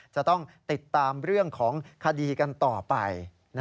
จะต้องติดตามเรื่องของคดีกันต่อไป